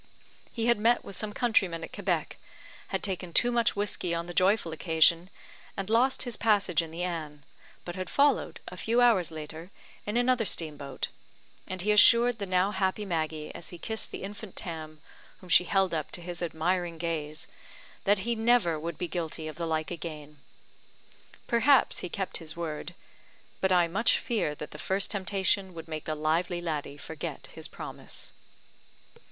He had met with some countrymen at Quebec, had taken too much whiskey on the joyful occasion, and lost his passage in the Anne, but had followed, a few hours later, in another steam boat; and he assured the now happy Maggie, as he kissed the infant Tam, whom she held up to his admiring gaze, that he never would be guilty of the like again. Perhaps he kept his word; but I much fear that the first temptation would make the lively laddie forget his promise.